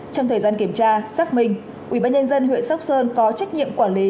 trong thời gian kiểm tra xác minh ubnd huyện sóc sơn có trách nhiệm quản lý